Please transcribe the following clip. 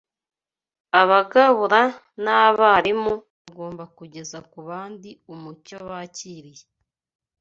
Abagabura n’abarimu bagomba kugeza ku bandi umucyo bakiriye